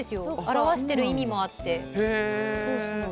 表している意味もあって。